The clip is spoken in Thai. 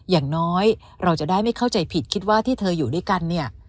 อย่างน้อยเราจะได้ไม่เข้าใจผิดคิดว่าที่เธออยู่ด้วยกันเนี่ย